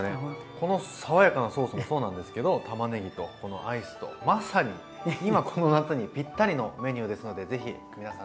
この爽やかなソースもそうなんですけどたまねぎとこのアイスとまさに今この夏にぴったりのメニューですので是非皆さんつくってみて下さい。